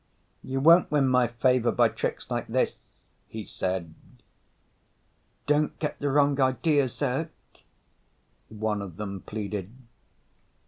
"You won't win my favor by tricks like this," he said. "Don't get the wrong idea, Zirk," one of them pleaded.